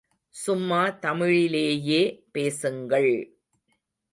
சும்மா தமிழிலேயே பேசுங்கள்.